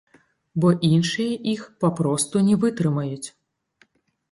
Бо іншыя іх папросту не вытрымаюць.